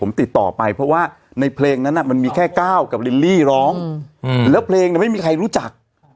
ผมติดต่อไปเพราะว่าในเพลงนั้นมันมีแค่ก้าวกับลิลลี่ร้องแล้วเพลงไม่มีใครรู้จัก